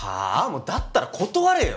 もうだったら断れよ！